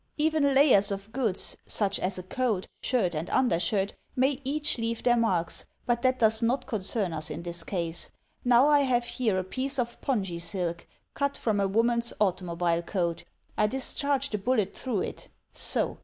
Even layers of goods such as a coat, shirt, and undershirt EVIDENCE 263 may each leave their marks, but that does not ^concern us in this case. Now I have here a piece of pongee silk, cut from a woman's auto mobile coat. I discharge the bullet through it — so.